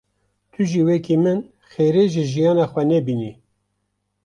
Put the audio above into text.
Tu jî wekî min xêrê ji jiyana xwe nebînî.